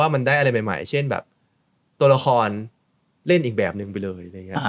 มันได้อะไรใหม่เช่นตราของเล่นอีกแบบหนึ่งไปเลย